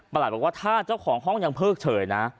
บอกว่าถ้าเจ้าของห้องยังเพิกเฉยนะ